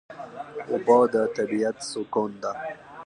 اوبه د طبیعت سکون ده.